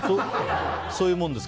そういうもんですか？